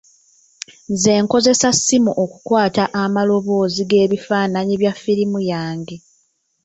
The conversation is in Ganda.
Nze nkozesa ssimu okukwata amalaboozi g'ebifaananyi bya firimu yange.